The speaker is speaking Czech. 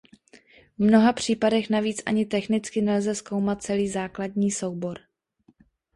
V mnoha případech navíc ani technicky nelze zkoumat celý základní soubor.